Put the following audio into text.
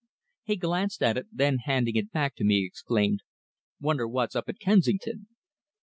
He glanced at it, then handing it back to me, exclaimed "Wonder what's up at Kensington?"